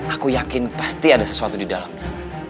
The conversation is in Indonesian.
aku yakin pasti ada sesuatu di dalamnya